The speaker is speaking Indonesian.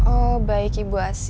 oh baik ibu asy